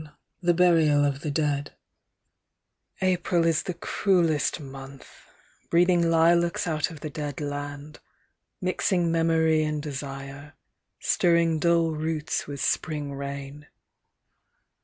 THE BURIAL OF THE DEAD April is the cruellest month, breeding Lilacs out of the dead land, mixing Memory and desire, stirring Dull roots with spring rain.